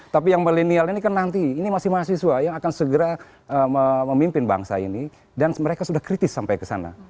tapi yang milenial ini kan nanti ini masih mahasiswa yang akan segera memimpin bangsa ini dan mereka sudah kritis sampai ke sana